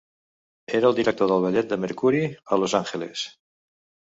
Era el director del Ballet de Mercury, a Los Angeles.